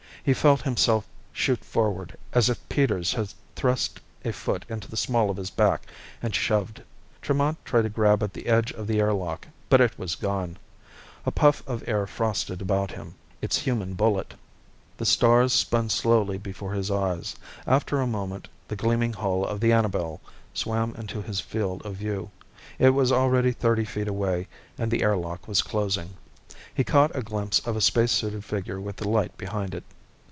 He felt himself shoot forward as if Peters had thrust a foot into the small of his back and shoved. Tremont tried to grab at the edge of the air lock, but it was gone. A puff of air frosted about him, its human bullet. The stars spun slowly before his eyes. After a moment, the gleaming hull of the Annabel swam into his field of view. It was already thirty feet away and the air lock was closing. He caught a glimpse of a spacesuited figure with the light behind it.